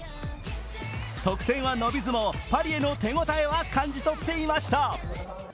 得点は伸びずもパリへの手応えは感じとっていました。